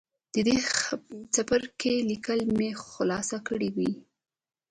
د دې څپرکي ليکل مې خلاص کړي وو